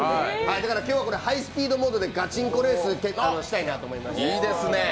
今日はハイスピードモードでガチンコレースをしたいと思います。